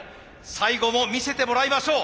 最後も見せてもらいましょう。